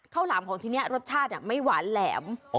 ข้าวหลามธุ์นี้รสชาติไม่หวานแหลม